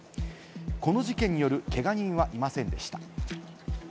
この事件によるけが人はいませんでした。